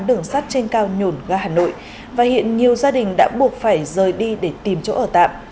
đường sắt trên cao nhổn ga hà nội và hiện nhiều gia đình đã buộc phải rời đi để tìm chỗ ở tạm